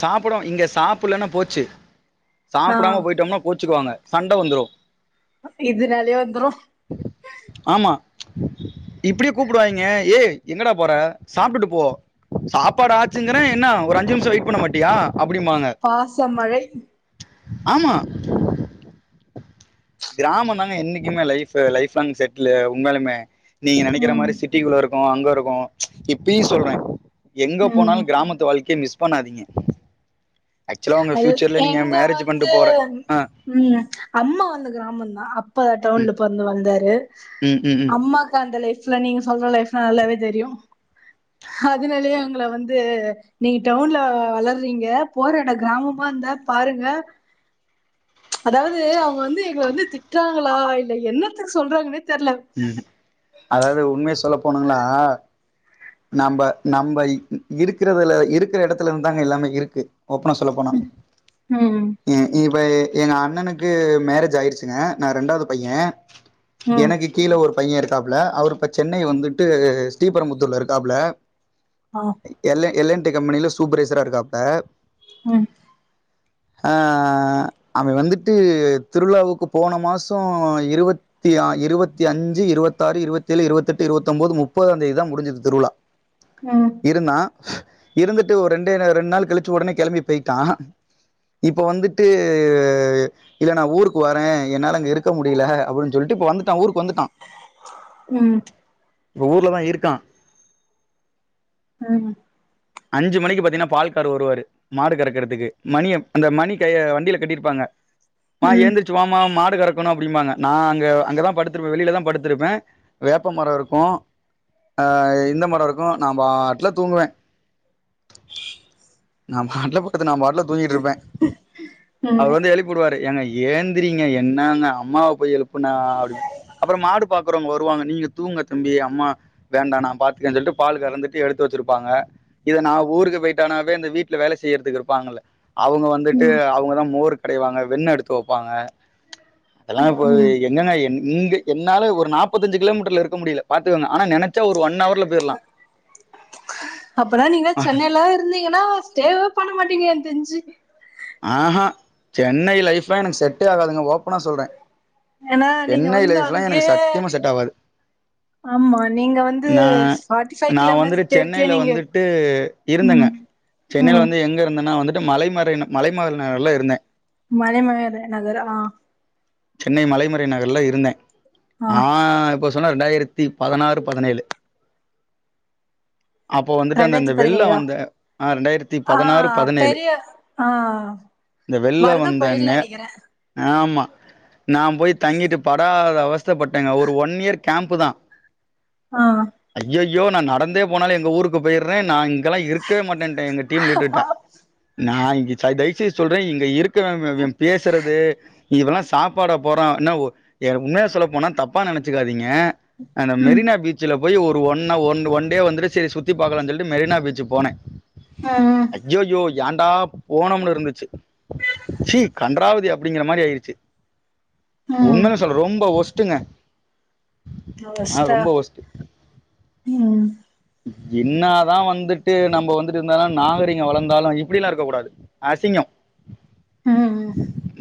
சாப்டுவோ இங்க சாப்பில்லன்னா போச்சு ஆ சாப்டாம போய்டோம்னா கோச்சுக்குவாங்க சண்ட வந்துரு இதுனால்யே வந்துரு இப்டியே கூப்டுவாங்கெ ஏ எங்கடா போற சாப்டுட்டு போ சாப்பாடு ஆச்சுங்கற என்ன ஒரு அஞ்சு நிம்ஷோ வெய்ட் பூன மட்டியா பாசமழை ஆமா கிராமோ தாங்க என்னைக்குமே லைஃப்பு லைஃப் லாங் செட்லு உண்மயாலுமே நீங்க நெனைக்கிற ம் மாரி சிட்டிக்குள்ள இருக் இப்போ அங்கெருக்கொ இப்பியு சொல்ற எங்க ம் போனாலு கிராமத்து வாழ்க்கைய மிஸ் பண்ணாதீங்க ஆக்சுவலா உங்க அது ஃபியூச்சர்ல நீங்க எங்க மேரேஜ் வந்து பண்ணிட்டு போற ஆ ம் அம்மா வந்து கிராமந்தா அப்ப ம் டவுண்ல பொறந்து வந்தாரு ம் ம் ம் அம்மாக் அந்த லைப் த்ல நீங்க சொல்ற லைப் நல்லாவே தெரியு அதுனாலயே அவுங்கள வந்து நீங்க டவுண்ல வளறீங்க போற எடத் கிராமமா இருந்தா பாருங்க அதாவது அவுங்க வந்து எங்கள வந்து திட்றாங்களா இல்ல என்னத்த சொல்றாங்கனே ம் அதாவது உண்மைய சொல்லப் போணுங்களா நம்ப நம்ப இ இருக்கறதுல இருக்கற எடத்துல வந்தாங்க எல்லாமே இருக்கு ஓப்பனா சொல்ல போனா ம் இவஐ எங்க அண்ணனுக்கு மேரேஜ் ஆயிடுச்சுங்க நா ரெண்டாவது பைய ம் எனக்கு ஒரு பைய இருக்காப்ல அவருப்ப சென்னை வந்துட்டு ஸ்ரீபரமுத்தூர்ல இருக்காப்ல ஆ எல்ல எல்லன் அத கம்பெனியல சூப்பரைசரா இருக்காப்ல ம் ஆ அவ வந்துட்டு திருவிழாவுக்கு போன மாச இருவத்தி ஆ இருவத் த்தி அஞ்சு இருவத்தாறு இருவத் ஏழு இருவத் எட்டு இருவத் ஒம்பது முப்பதாம் தேதி தா முடிஞ்சது திருவிழா ம் இருண்ணா இருந்துட்டு. ஒரு ரெண்டே நா ரெண்டு நாள் கழிச்ச உடனே கெளம்பி போயிட்டா இப்ப வந்துட்டு இல்ல நா ஊருக்கு வரே என்னால அங்க இருக்க முடியல அப்டின் சொல்ட்டு இப்ப வந்துட்ட ஊ வந்துட்டா ம் ஊர்லதா இருக்கா ம் அஞ்சு மணிக்கு பாத்தீங்கன்னா பால் காரர் வருவாரு மாடு கறக்கறதுக்கு மணிய ப் அந்த மணி கய வண்டில கட்டிருப்பாங்க ம்மா ம் ஏந்திரிச்சுவாம்மா மாட் இருக்கனு அப்டின்பங்க நா அங்க அங்கதா படுத்துருப்பே வெளியல தா படுத்துருப்பே வேப்பமர இருக்கோ ஆ இந்த மர இருக்கோ நா பாட்ல தூங்குவே [unintelligible] நா பாட்ல தூங்கிட்டு இருப்பே அவரு ம் வந்து எழுப்பி விடுவாரு ஏங்க ஏந்திரீங்க என்னங்க அம்மாவ போய் எழுப்புனா அப்டி அப்புற மாடு பாக்குறவங்க வருவாங்க நீங்க தூங்க தம்பி அம்மா வேண்டா நா பாத்துக்கேன்னு சொல்ட்டு பால் கறந்துட்டு எடுத்து வச்சிருப்பாங்க இத நாஊருக்கு போயிட்டானாவே இந்த வீட்ல வேல செய்யறதுக்கு இருப்பாங்கல்ல அவுங்க வந்துட்டு அவுங்கதா மோருக் கடைவாங்க வெண்ண எடுத்து வப்பாங்க அதெல்லா ம் இப்போ ம் எங்கங்க என் இங்க என்னால ஒரு நாப்பத்தஞ்சு கிலோமீட்டர்ல இருக்க முடியல பாத்துக்கங்க ஆன நெனைச்சா ஒரு ஒன் அவர் உள்ள போய்ர்லா அப்பனா நீங்க சென்னைலா இருந்தீங்கன்னா ஸ்டேஃப் பண்ண மாட்டீங்க எனக் தெரிஞ்சு ஆஹா சென்னை லைஃப்லா எனக்கு செட்டே ஆகாதுங்க ஓப் ப்பான சொல்றே ஏன்னா நீங்க சென்னைலே வந்து லைஃப் லா எனக்கு அங்கயே சத்தியமா செட ஆவாது ஆமா நீங்க வந்து நா ஃபார்ட்டி ஃபைவ் நா வந்து கிலோமீட்டர் இருக்கே சென்னைல நீங்க வந்துட்டு இருந்தேங்க ம் சென்னைல ம் வந்து எங்க இருந்தன்னா வந்து மலைமறைன்னு மலைமற நகர்லா இருந்தே மலைமகர் நகரா சென்னை மலைமறை நகர்ல இருந்தே ஆ இப்ப சொன்ன ரெண்டாயிரத்தி பதினாறு பதினேழு அப்போ வந்துட்டு அந்தந்த ரெண்டாயிரத்தி வெள்ள பதினேழா வந்த ஆ ரெண்டாயிரத்தி ஆ பதினாறு பதினேழு பெரிய ஆ இந்த வெள்ள வரத புயல் வந்தன்னே நெனைக்கிறே ஆமா நா போய் தங்கிட்டு படா த அவஸ்த பட்டெங்க ஒரு ஒன் இயர் கேம்ப்பு தா ஆ யோ நா நடந்தே போனாலு எங்க ஊருக்கு போயிர்றே நா இங் கலா இருக்கவே மாட்டென்டே எங்க டீம் லீடர்ட நா இ ச தயைசெய்து சொல்றே இங்க இருக்கவவ இவ பேசுறது இவல்லா சாப்பாட போறா என்னா ஒ எ உண்மையா சொல்ல போனா தப்பா நெனச்சுக்காதீங்க ஆ அந்த ம் மெரினா பீச்சுல போ ய் ஒரு ஒன்ன ஒன் ஒன் டே வந்துட்டு செரி சுத்தி பாக்கலான் சொல்ட்டு மெரினா பீச்சு போனே ம் அய்யோயோ யான்டா போனொம்னு இருந்துச்சு சீ கன்றாவுதி அப்டிங்கிற மாரி ஆயிருச்சு உண்மத சொல்ற ரொம்ப ஒஸ் ட்டுங்க ஒஷ்டா ம் என்னாதா வந்துட்டு நம்ப வந்துட்டு இருந்தாலு நாகரீக வளந்தாலு இப்டிலா இருக்க கூடாது அசிங்கொ ம்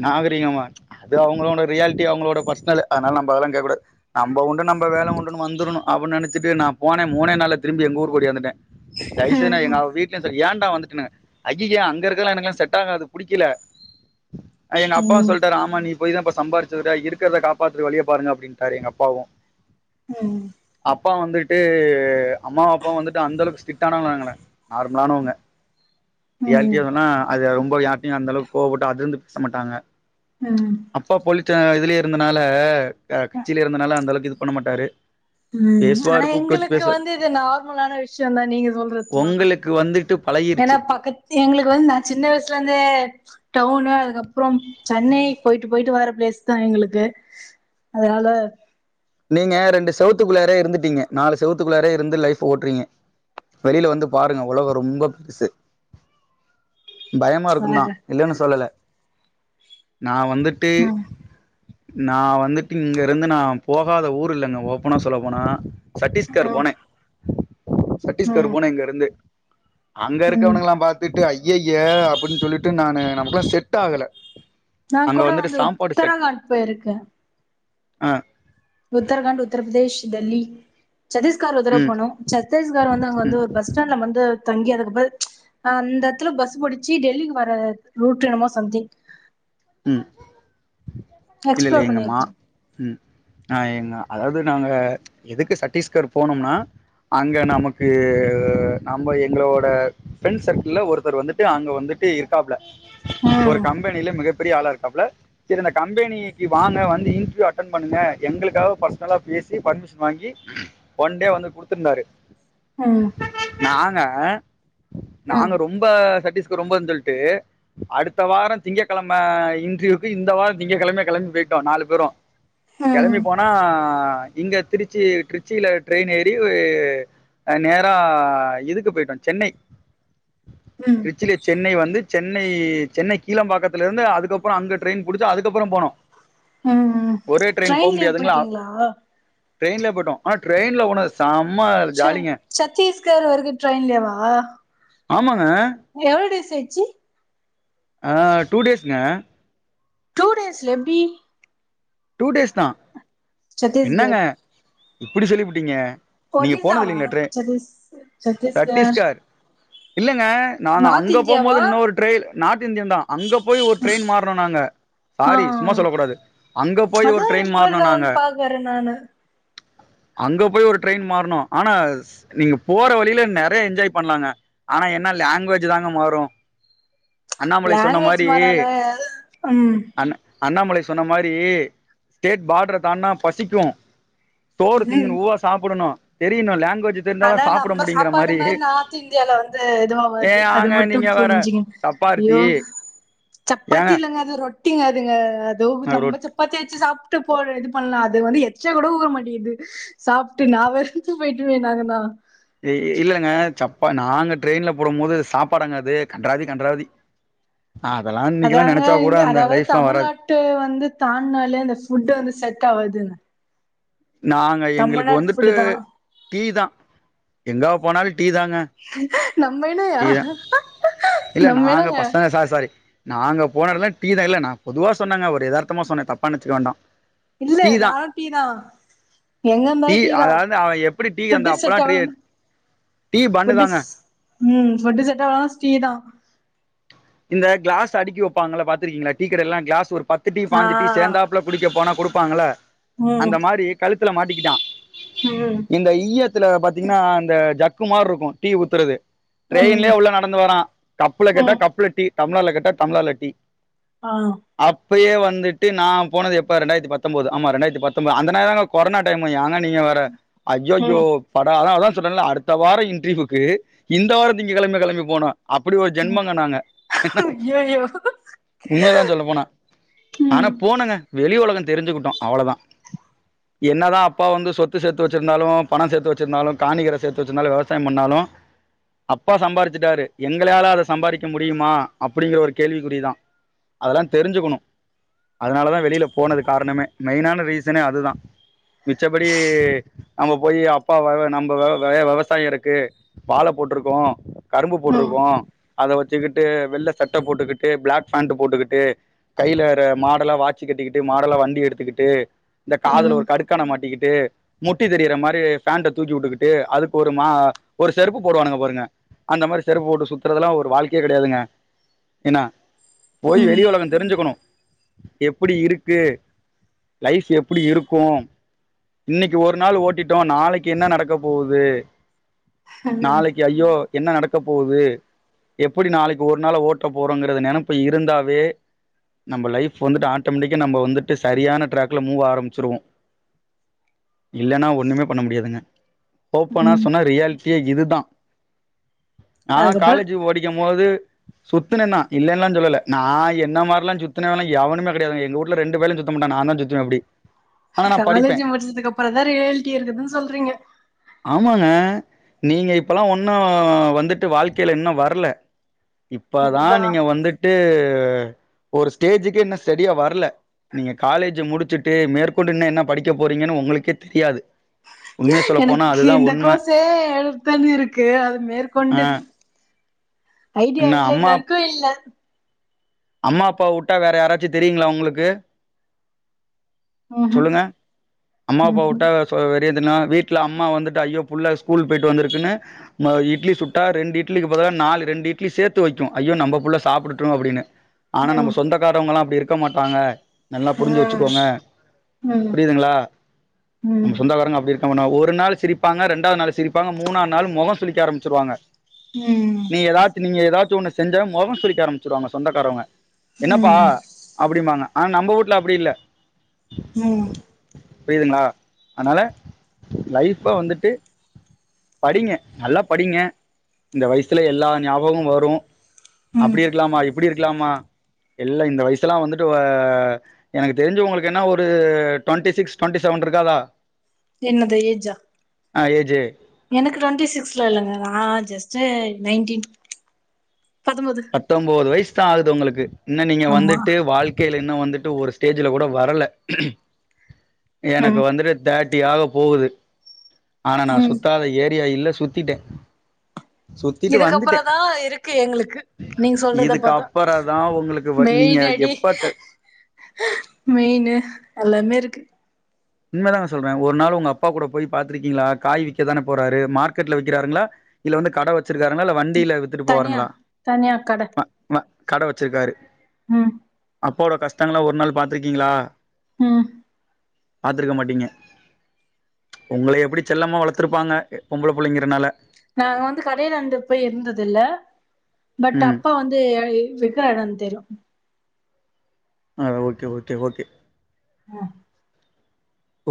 நாக ரிகமா அது அவுங்களோன ரியாலிட்டி அவுங்களோட பர்ஸ்னலு அதுனால நம்ப அதலா கேக்க கூடாது நம்ப உண்டு நம்ப வேல உண்டுன்னு வந்துரனு அப்பின் நெனச்சட்டு நா போன மூனே நாள்ல திரும்பி எங்க ஊருக்கு ஓடியாந்துட்டே தய்செய்து நா ம் எங்க வீட்லயு செரி யான் டா வந்துட்டனு அய்யய அங்கருக்கதுலா எனக்குலா செட் ஆகாது புடிக்கல அ எங்க அப்பாவு ம் சொல்ட்டாரு ஆமா நீ போயிதா இப்ப சம்பாரிச்சதுட இருக்குறத காப்பாத்துற வழிய பாருங்க அப்டின்ட்டாரு எங்க அப்பாவு ப்பா வந்துட்டு அம்மா அப்பாவு வந்துட்டு அந்தளவுக்கு ஸ்டானவங்கலல நார்மலானவங்க ம் ம் ரியாலிட்டியா சொன்னா அது ரொம் போயி யார்டையு அந்தளவுக் கோவப்பட்டு அதுருந்து பேச மாட்டாங்க ம் அப்பா போலிட்ச இதுலயே ருந்தனால ஆ கச்சில இருந்தனால அந்த அளவுக்கு இது பண்ண மாட்டாரு ம் ஆனா பேசுவாரு கூப்ட்டு வச்சு எங்களுக்கு பேசுவாரு வந்து இது நா ர்மலான விஷயோதா நீங்க சொல்றதுலா உங்களுக்கு வந்துட்டு ஏன்னா பழகிருச்சு பக்கத்து எங்களுக்கு வந்து நா சின்ன வயசுலந்தே டவுனு அதுக்கப்புறோ சென்னை போயிட்டு போயிட்டு வர பிளேஸ்தா எங்களுக்கு அதனால நீங்க ரெண்டு செவுத்துக்குள்ளாரே இருந்துட்டீங்க நாலு செவத்துக்குள்ளாரே இருந்து லைஃப் ஓட்டுறீங்க வெளியில வந்து பாருங்க உலக ரொம்ப பெருசு பயமா இருக்குந்தா இல்லன்னு சொல்லல நா வந்துட்டு ம் நா வந்துட்டு இங்க இருந்து நா போகாத ஊர் இல்லங்க ஓபனா சொல்ல போனா சட்டீஸ்கர் போனே சட்டீஸ்கர் ம் போனெ இங்க இருந்து அங்க ம் இருக்கவனுங்கல்லா பாத்துட்டு ஐய்அய்ய அப்பிடின்னு சொல்லிட்டு நானு நமக்கெல்லா செட் ஆகல நா அங்க கூட வந்துட்டு வந்து சாப்பாடு செட் உத்தரகாண்ட் போயிருக்கே ஆ உத்தரகாண்ட் உத்திரப்பிரதேஷ் டெல்லி சத்தீஸ்கார் ஒரு தரவ ம் போனோ சத்தீஸ்கார் வந்து அங்க ம் வந்து ஒரு பஸ் ஸ்டாண்ட்ல வந்து தங்கி அதுக்கப்பெ அந்தத்துல பஸ் புடிச்சி டெல்லிக்கு வர ரூட்ன்னமோ சம்திங் ம் இல்ல இல்ல எக்ஸ்ப்ளோர் எங்க மா பண்ணிருக்கே ம் ஆ எங்க அதாவது நாங்க எதுக்கு சட்டீஸ்கர் போனோம்னா அங்க நமக்கு நம்ம எங்களோட ஃப்ரெண்ட் சர்க்கிள்ல ஒருத்தர் வந்துட்டு அங்க வந்துட்டு இருக்காப்புல ஒரு ம் கம்பெனில மிகப் ஆளா இருக்காப்ல சேரி இந்த கம்பெனிக்கி வாங்க வந்து இன்ட்ரிவ் அட்டன் பண்ணுங்க எங்களுக்காக பர்சனல்லா பேசி பர்மிஷன் வாங்கி ஒன் டே வந்து குடுத்தருந்தாரு ம் நாங்க ம் நாங்க ரொம்ப சட்டிஸ் இது ரொம்பன் சொல்ட்டு அடுத்த வாரொ திங்ககிழம ம்ம இன்ட்ரிவ்க்கு இந்த வார திங்ககிழம கிளம்பி போயிட்டோ நாலு பேரு ம் கிளம்பி போனா ஆ இங்க திருச்சி ட்ரிச்சில ட்ரெயின் ஏறி நேரா இதுக்கு போயிட்டோ சென்னை ம் ட்ரிச்சில சென்னை வந் து சென்னை சென்னை கீளாம்பாக்கத் துலருந்து அதுக்கப்புறோ அங்க ட்ரெயின் புடிச்சி அதுக்கப்புறோ போனோ உ உ ட்ரெயின்லயே போயிட்டீங்களா ட்ரெயின்ல போய்ட்டோ ஆனா ட்ரெயின்ல போனது செம் ச சத்தீஸ்கர் வரக்கு ட்ரெயின்லியேவா ஆமாங்க எவ்ளோ டிஸ் தேச்சி ஆ டூ டேஸ்ங்க டூ டேஸ்ல எப்டி டூ டேஸ் தா சத்தீயஸ்கர் இப்படி சொல்லிபுட்டீங்க நீங்க போனது இல்லைங்கள ட்ரை சத்தீஸ் சத்தீஸ்கர் சட்டீஸ்கர் இல்லங்க நாங்க நார்த் அங்க போம்போது இந்தியாவா இன்னொரு ட்ரைனு நார்த் இந்தியன் தா அங்க போய் ஒரு ட்ரையின் மாறுனோ நாங்க ஆ சாரி சும்மா சொல்லக்கூடாது அதா எப்பர்ரானு பாக்குறே நானு அங்க போய் ஒரு ட்ரெயின் மாறணோ ஆனா நீங்க போற வழியில நிறையா என்ஜாய் பண்ணலாங்க ஆனா என்ன லாங்குவேஜ் தாங்க மாறு அண்ணாமலை சொன்ன லாங்குவேஜ் மாரி மாறனால ம் அண்ண அண்ணாமலை சொ சொன்னமாரி டீ ஸ்டேட் பாடர தான்டுனா பசிக்கு சோறு ம் திங்கன்னு உவா சாப்பிடணு தெரியணு லேண்ட் ஆனா நம்ம சாப்பாடு மாரி நார்த் இந்தியால வந்து ஏ எதுவாவாது அது ஆங்க மட்டு நீங்க வேற புரிஞ்சுங்க சப்பார்த்தி ஐயோ சப்பாத்தி ஏங்க இல்லங்க அது ரொட் ட்டிங்க அதுங்க அதோங்க ஒரு ஜம்ப சப்பாத்தி யாச்சு சாப்ப எடுத்துபோ இது பண்லா அது வந்து எச்சா கூட ஊர மாட்டேங்குது சாப்ட்டு நா வெரித்துபோயிட்டேங்க நானு பா இல்லங்க சப்பா நாங்க ட்ரெயின்ல போடும்போது சாப்பாடாங்க அது கன்றாவதி கன்றாவதி அதாங்க இங்க அதாவது வராது தமிழ்நாட்டு வந்து தான்னாலே அந்த ஃபுட்டு வந்து செட் ஆவாதுன்னே நாங்க எங்களுக்கு வந்துட்டு ஃபுட்டு தா டீ தா எங்க போனாலு டீ தாங்க நம்ம என்னயா டீ தா இல்ல நம்ம நாங்க என்னங்க பசங்க சாரி சாரி நாங்க போனதுல டீ தா இல்ல நா பொதுவா சொன்னேங்க ஒரு எதார்த்தமா சொன்னே தப்பா நினச்சிக்க வேண்டா இல்ல நானு டீ தா ஆ எங்க இருந்தாலு டீ தா அதாவது அவ எப்டி டீ அந்த ஃபுட்டு அப்பல்லா செட் டீ ஆகலனா டீ பண்ணு ஃபுட்டு தாங்க ஸ் ம் ஃபுட்டு செட் ஆகலனா டீ தா இந்த கிளாஸ் அடிக்கி வப்பாங்கல்ல பாத்திருக்கீங்களா? டீக்கடைல எல்லா கிளாஸ் ஒரு பத்து டீ ஆ பாஞ்சு டீ சேந்தாப்புல குடிக்கப் போனா குடுப்பாங்கல்ல ம் அந்த மாரி கழு த்துல மாட்டிக்கிட்டா ம் இந்த ஈயத்துல பாத்தீங்கன்னா இந்த ஜ க்கு மார இருக்கு டி ஊத்துறது ம் ட்ரெயின்லயே உள்ள நடந்து வரா கப்புல கேட்டா ம் கப்புல டம்ளர்ல கேட்டா டம்ளர்ல டீ ஆ அப்பயே வந்துட்டு நா போனது எப்போ ரெண்டாயிரத்தி பத்தொம்போது ஆமா ரெண்டாயிரத்தி பத்தொம்போது அந்த நேரங்க கொரோனா டைமு ஏங்க நீங்க வேற ஐயயோ ம் படா அதா அதா சொன்னல்ல அடுத்த வார இன்ட்ரியூவுக்கு இந்த வார திங்கக்கெழம கெளம்பி போனோ அப்பிடி ஒரு ஜென்மங்க நாங்க ஐயையோ உண்மைதா சொல்லப் போனா ஆனா ம் போனங்க வெளி உலகந் தெரிஞ்சுக்கிட்டோ அவ்ளோதா. என்னதா அப்பா வந்து சொத்து சேத்து வச்சிருந்தாலு பணோ சேத்து வச்சிருந்தாலு காணிகர சேத்து வச்சிருந்தாலு வெவசாயம் பண்ணாலு அப்பா சம்பாரிச்சிட்டாரு எங்களையால அத சம்பாரிக்க முடியுமா அப்பிடிங்கிற ஒரு கேள்விக்குறிதா. அதெல்லா தெரிஞ்சுக்கணு. அதனாலதா வெளில போனது காரணமே மெயினான ரீசனே அதுதா. மிச்சபடி நம்ம போயி அப்பா வேவ நம்ம வேவ வெ வெவசாய இருக்கு வாழ போட்ருக்கோ கரும்பு ம் போட்ருக்கோ அத வச்சிக்கிட்டு வெள்ள சட்ட போட்டுக்கிட்டு பிளாக் ஃபேண்ட் போட்டுக்கிட்டு கையில ற மாடலா வாச்சி கட்டிக்கிட்டு மாடலா வண்டி எடுத்துக்கிட்டு இந்த காதுல ம் ஒரு கடுக்கான மாட்டிக்கிட் டு முட்டி தெரியற மாரி பேண்ட்ட தூக்கி வுட்டுக்கிட்டு அதுக்கு ஒரு மா ஒரு செருப்பு போடுவானுக பாருங்க அந்த மாரி செருப்பு போட்டு சுத்துறதெல்லா ஒரு வாழ்க்கையே கெடையாதுங்க. என்ன போய் ம் வெளி உலகோ தெரிஞ்சுக்கணு எப்பிடி இருக்கு? லைஃப் எப்பிடி இருக்கு? இன்னக்கி ஒரு நாள் ஓட்டிட்டோ நாளைக்கி என்ன நடக்கப் போகுது? நாளைக்கி ஐயோ என்ன நடக்கப் போகுது எப்படி நாளைக் கி ஒரு நாள ஓட்டப் போறோங்கறத நெனப்பு இருந்தாவே நம்ம லைஃப் வந்துட்டு ஆட்டோமேட்டிக்கா நம்ம வந்துட்டு சரியான ட்ராக்ல மூவ் ஆரம்பிச்சிருவோ. இல்லன்னா ஒண்ணுமே பண்ண முடியாதுங்க. ஓப்பனா ம் சொன்னா ரியாலி ட்டியே இதுதா நா அதுக்கப்புறோ காலேஜீ படிக்கு போது சுத்தன்னா இல்லன்லா சொல்ல நா என்ன மாரில சுத்தினவ யவனுமே கெடையாதுங்க எங்க வுட்ல ரெண்டு பைலு சுத்தமாட்டா நான்தா சுத்தவே அப்டி ஆனா நா படிப்பே காலேஜ் முடிச்சதுக்கு அப்புறோ தா ரியாலிட்டி இருக்குதுன்னு சொல்றீங்க ஆமாங்க நீங்க இப்பெல்லா ஒன்னு வந்துட்டு வாழ்க்கையில இன்னு வரல இப்பாதா அதுதா நீங்க வந்துட்டு அ ஒரு ஸ்டேஜுக்கு இன்னு ஸ்டெடியா வரல நீங்க காலேஜ் முடிச்சுட்டு மேற்கொண்டு இன்னு என்ன படிக்க போறீங்கன்னு உங்களுக்கே தெரியாது உண்மைய சொல்ல போனா எனக்கு அதுதான் இந்த உண்ம கோசே எடுத்தன்னு இருக்கு அது ஆ மேற்கொண்டு ஐடியா என்ன இல்ல இது அம்மா வரைக்கு இல்ல அம்மா அப்பா வுட்டா வேற யாராச்சு தெரியுங்களா உங்களுக்கு ம்ஹும் சொல்லுங்க அம்மா அப்பா ம்ஹும் வுட்டா சொவெ எதுனா வீட்ல அம்மா வந்துட்டு ஐயோ புள்ள ஸ்கூல் போயிட்டு வந்துருக்குன்னு ம இட்லி சுட்டா ரெண்டு இட்லிக்கு பதிலா நாலு ரெண்டு இட்லி சேர்த்து வைக்கோ ஐயோ நம்ப புள்ள சாப்புடட்டு அப்டின்னு ஆனா நம்ம ம் சொந்தக்காரவங்களா அப்டி இருக் க்க மாட்டாங்க நல்லா புரிஞ்சு ம் வச்சுக்கோங்க ம் புரியுதுங்களா ம் நம்ம சொந்தகாரங்க அப்புடி இருக்க மாட் உரு ஒரு நாளு சிரிப்பாங்க ரெண்டாவது நாளு சிரிப்பங்க மூணா நாள் மொகோ சுலிக்க ஆரம்பிச்சிருவாங்க நீ ஏதாச் நீங்க ஏதாச் எதாச்சி ஒன்னு செஞ்சோ மொகோ சுழிக்க ஆரபிச்சிருவாங்க சொந்தக்காரவங்க என்னப்பா ம் அப்படிமாங்க ஆனா நம்ப வீட்ல அப்புடி இல்ல ம் ம் புரியுதுங்களா அதனால லைஃப வந்துட்டு படிங்க நல்லா படிங்க இந்த வயசுல எல்லா ஞாபகமு வரு ம் அப்டி இருக்கலாமா இப்டி இருக் இருக்லாமா இல்ல இந்த வயசு எல்லா வந்துட்டு எனக்கு தெரிஞ்ச உங்களுக்கு என்ன ஒரு ட்வெண்ட்டி சிக்ஸ் ட்வெண்ட்டி செவன் இருக்காதா என்ன து ஏஜா ஆ ஏஜி எனக்கு ட்வெண்ட்டி சிக்ஸலா இல்லைங்க நா ஜஸ்ட் நைன்டீன் பத்தொம்போது பத்தொன்பது வயசு தா ஆகுது உங்களுக்கு து இன்ன நீங்க ஆமா வந்துட்டு வாழ்க்கையில இன்னு வந்துட்டு ஒரு ஸ்டேஜ்ல கூட வரல எனக்கு ம் வந்துட்டு தேர்ட் டி ஆக போவுது ஆனா நா ம் சுத்தாத ஏ ரியா இல்ல சுத்திட்டே சுத்திட்டு இதுக்கப்புறொ வந்துட்டே தா இருக்கு எங்களுக்கு நீங்க சொல்றத பாத்தா இதுக்கப்புற தா உங்களுக்கு வ நீங்க மெயின் அடி எப்ப க மெயினு எல்லாமே துக்கு உண்மதாங்க சொல்றே ஒரு நாள் உங்க அப்பா கூட போய் பாத்திருக்கீங்களா காய்விக்க தான போறாரு மார்க்கெட்ல விக்கறாருங்களா இல்ல வந்து கட வச் ச்சிருக்காங்களா இல்ல வண்டியில வித்துட்டு தனியா போவாருங்களா தனியா கட வ வ கட வச்சிருக்காரு ம் அப்போட கஷ்டங்கள ஒரு நாள் பாத்துருக்கீங்களா ம் பத்துருக்க மாட்டீங்க உங்களைய எப்பிடி செல்லமா வளத்துருப்பாங்க பொம்பள புள்ளைங்கறனால நாங்க வந்து கடையி அந்து போய் இருந்தது இல்ல பட் ம் அப்பா வந்து விக்கற இடம் தெரியு ஆ ஓகே ஓகே ஓகே ம்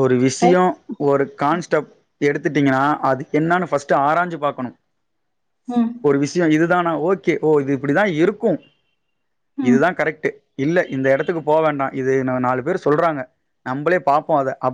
ஒரு விஷயோ ரைட் ஒரு கான்ஸ் டப் எடுத்துட்டீங்கன்னா அது என்னானு பஸ்ட் ஆராஞ்சு பாக்கணு ம் ஒரு விஷய இது தானா ஓகே ஓ இது இப்பிடிதா இருக்கு ம் இதுதா கரெக்ட் இல்ல இந்த இடத்துக்கு போ வேண்டா இத நாலு பேரு சொல்றாங்க நம்மளே பாப்போ அத